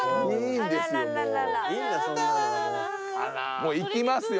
もう行きますよ。